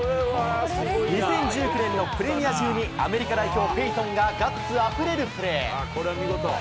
２０１９年のプレミア１２アメリカ代表、ペイトンがガッツあふれるプレー。